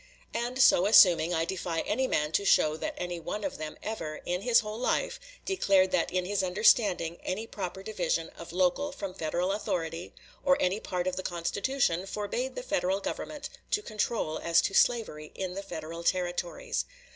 And so assuming, I defy any man to show that any one of them ever, in his whole life, declared that in his understanding any proper division of local from Federal authority, or any part of the Constitution, forbade the Federal Government to control as to slavery in the Federal Territories.